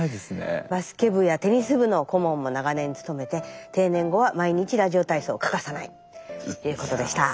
バスケ部やテニス部の顧問も長年務めて定年後は毎日ラジオ体操を欠かさないということでした。